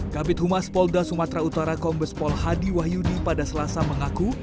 kabit humas polda sumatera utara kombes pol hadi wahyuni pada selasa mengaku